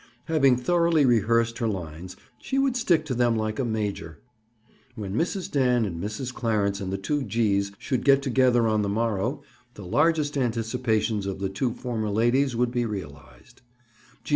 Having thoroughly rehearsed her lines, she would stick to them like a major. When Mrs. Dan and Mrs. Clarence and the two G's should get together on the morrow, the largest anticipations of the two former ladies would be realized.